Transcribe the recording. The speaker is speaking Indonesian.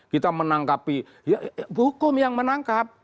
kita menangkapi hukum yang menangkap